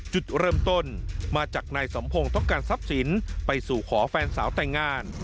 จุดเริ่มต้นมาจากนายสมพงศ์ต้องการทรัพย์สินไปสู่ขอแฟนสาวแต่งงาน